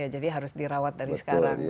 jadi harus dirawat dari sekarang